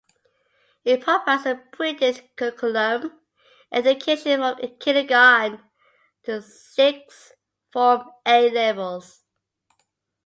It provides a British curriculum education from Kindergarten to Sixth Form A Levels.